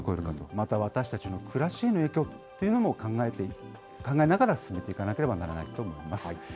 また私たちの暮らしへの影響というのも考えながら進めていかなければならないと思います。